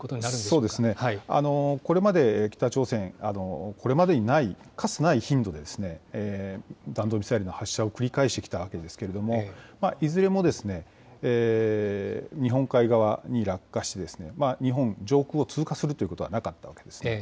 そうですね、これまで北朝鮮、これまでにない、かつてない頻度で弾道ミサイルの発射を繰り返してきたわけですけれども、いずれも日本海側に落下して、日本上空を通過するということはなかったんです。